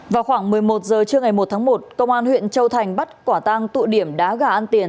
vào khoảng một mươi một h trưa ngày một tháng một công an huyện châu thành bắt quả tang tụ điểm đá gà ăn tiền